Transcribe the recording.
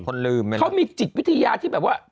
เขามีจิตวิทยาที่แบบว่า